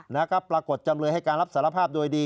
นะครับปรากฏจำเลยให้การรับสารภาพโดยดี